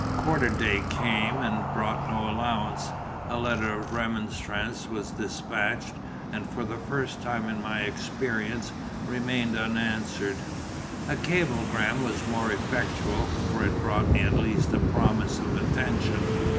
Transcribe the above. Quarter day came, and brought no allowance. A letter of remonstrance was despatched, and for the first time in my experience, remained unanswered. A cablegram was more effectual; for it brought me at least a promise of attention.